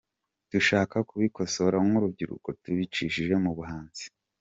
Dushaka kubikosora nk’urubyiruko tubicishije mu buhanzi”.